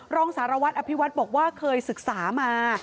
รองสารวัตรอภิวัฒน์บอกว่าเคยศึกษามา